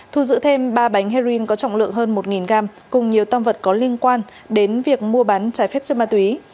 thu giữ thêm ba bánh heroin có trọng lượng hơn một gram cùng nhiều tâm vật có liên quan đến việc mua bán trái phép chất ma túy